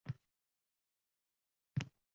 Bu u kishining yoshliklaridagi gap.